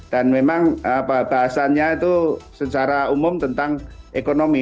dan memang bahasanya itu secara umum tentang ekonomi